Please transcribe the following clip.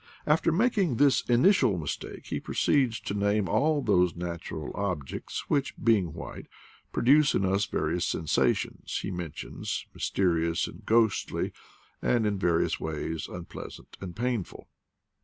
After making this initial mistake, he proceeds to name all those natural objects which, being white, produce in us the various sensations he mentions, mysterious and ghostly, and in various ways unpleasant and painful.